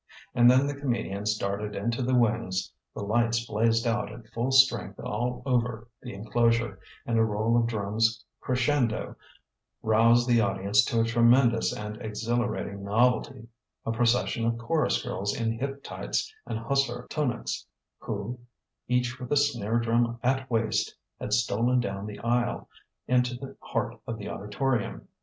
And then the comedians darted into the wings, the lights blazed out at full strength all over the enclosure, and a roll of drums crescendo roused the audience to a tremendous and exhilarating novelty: a procession of chorus girls in hip tights and hussar tunics who, each with a snare drum at waist, had stolen down the aisle, into the heart of the auditorium.